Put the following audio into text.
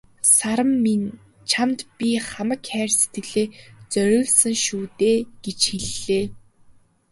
"Саран минь чамд би хамаг хайр сэтгэлээ зориулсан шүү дээ" гэж хэллээ.